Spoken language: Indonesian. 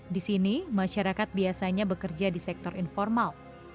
di sini masyarakat biasanya bekerja di sektor informal